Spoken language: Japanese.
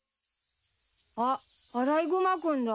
あっアライグマ君だ。